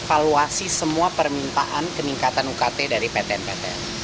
kami akan merevaluasi semua permintaan peningkatan ukt dari batn batn